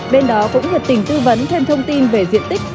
bên đó cũng nhiệt tình tư vấn thêm thông tin về diện tích